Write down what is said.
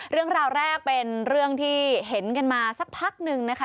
เรื่องราวแรกเป็นเรื่องที่เห็นกันมาสักพักหนึ่งนะคะ